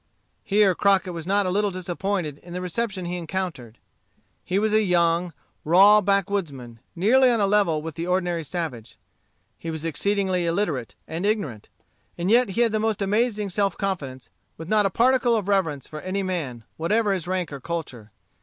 Here Crockett was not a little disappointed in the reception he encountered. He was a young, raw backwoodsman, nearly on a level with the ordinary savage. He was exceedingly illiterate, and ignorant. And yet he had the most amazing self confidence, with not a particle of reverence for any man, whatever his rank or culture.